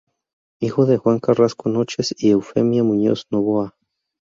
Hijo de Juan Carrasco Noches y Eufemia Muñoz Novoa.